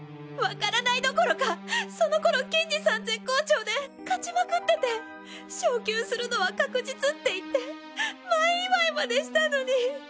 わからないどころかその頃欣二さん絶好調で勝ちまくってて昇級するのは確実っていって前祝いまでしたのに。